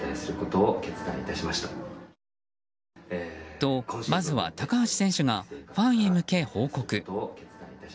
と、まずは高橋選手がファンに向け報告。